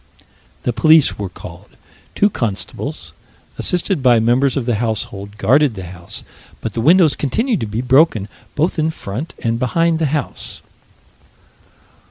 The police were called. Two constables, assisted by members of the household, guarded the house, but the windows continued to be broken "both in front and behind the house."